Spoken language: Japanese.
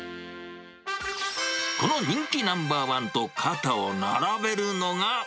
この人気ナンバー１と肩を並べるのが。